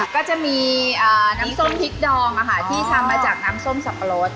ก็จะมีน้ำส้มพริกดองที่ทำมาจากน้ำส้มสับปะรด